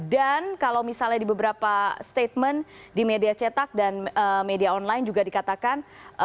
dan kalau misalnya di beberapa statement di media cetak dan media online juga dikatakan